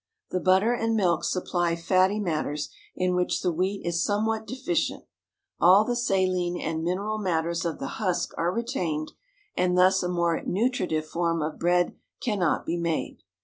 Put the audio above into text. The butter and milk supply fatty matters, in which the wheat is somewhat deficient; all the saline and mineral matters of the husk are retained; and thus a more nutritive form of bread cannot be made.